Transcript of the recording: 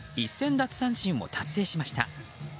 奪三振を達成しました。